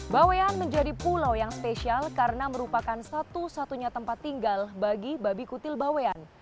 bawean menjadi pulau yang spesial karena merupakan satu satunya tempat tinggal bagi babi kutil bawean